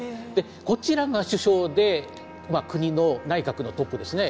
こちらが首相で国の内閣のトップですね。